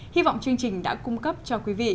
hy vọng chương trình đã cung cấp cho quý vị